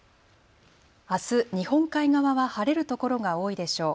あす、日本海側は晴れる所が多いでしょう。